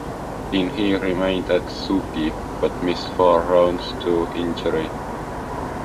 In he remained at Suzuki, but missed four rounds through injury.